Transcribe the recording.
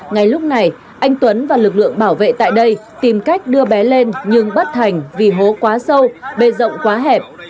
ngay lúc này anh tuấn và lực lượng bảo vệ tại đây tìm cách đưa bé lên nhưng bất thành vì hố quá sâu bề rộng quá hẹp